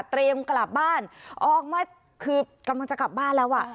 กลับบ้านออกมาคือกำลังจะกลับบ้านแล้วอ่ะ